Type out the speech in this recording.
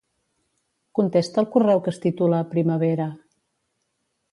Contesta el correu que es titula "primavera".